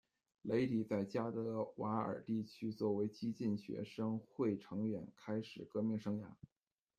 雷迪在加德瓦尔地区作为激进学生会成员开始革命生涯。